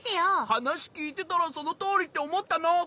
はなしきいてたらそのとおりっておもったの！